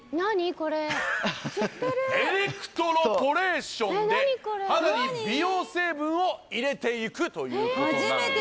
これ知ってるエレクトロポレーションで肌に美容成分を入れていくということなんですよね